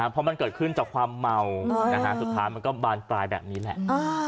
เพราะมันเกิดขึ้นจากความเมาสุดท้ายมันก็บานปลายแบบนี้แหละ